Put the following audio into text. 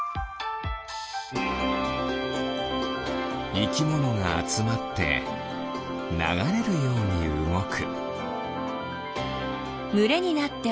いきものがあつまってながれるようにうごく。